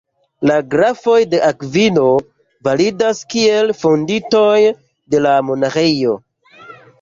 La grafoj de Akvino validas kiel fondintoj de la monaĥejo.